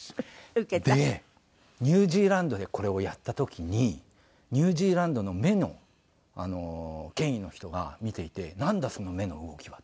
でニュージーランドでこれをやった時にニュージーランドの目の権威の人が見ていて「なんだ？その目の動きは」と。